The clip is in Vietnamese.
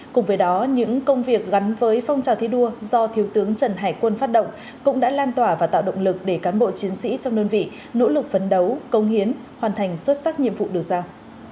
cùng với đó những công việc gắn với phong trào thi đua do thiếu tướng trần hải quân phát động cũng đã lan tỏa và tạo động lực để cán bộ chiến sĩ trong đơn vị nỗ lực phấn đấu công hiến hoàn thành xuất sắc nhiệm vụ được giao